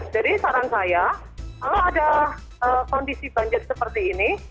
jadi saran saya kalau ada kondisi banjir seperti ini